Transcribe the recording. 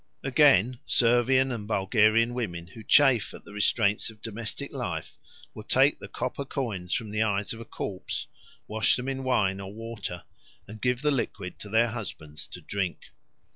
Again, Servian and Bulgarian women who chafe at the restraints of domestic life will take the copper coins from the eyes of a corpse, wash them in wine or water, and give the liquid to their husbands to drink.